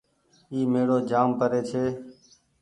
اي ميڙو جآم پري ڇي۔